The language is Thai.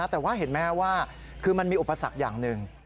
แต่ว่าเห็นไหมว่าคือมันมีอุปสรรคอย่างหนึ่ง